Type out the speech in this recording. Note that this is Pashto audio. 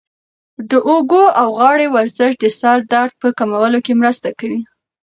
د اوږو او غاړې ورزش د سر درد په کمولو کې مرسته کوي.